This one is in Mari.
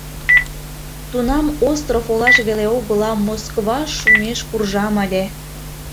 Тунам Остров олаш веле огыл, а Москваш шумеш куржам ыле.